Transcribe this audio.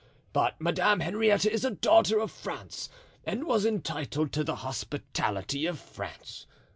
But Madame Henrietta is a daughter of France and was entitled to the hospitality of France.